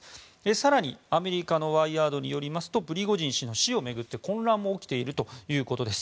更に、アメリカの「ワイアード」によりますとプリゴジン氏の死を巡って混乱も起きているということです。